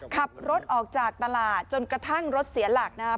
ขับรถออกจากตลาดจนกระทั่งรถเสียหลักนะครับ